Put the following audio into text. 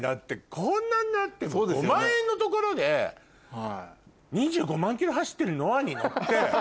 こんなになっても５万円のところで２５万ｋｍ走ってるノアに乗って。